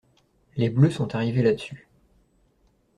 Les bleus sont arrivés là-dessus.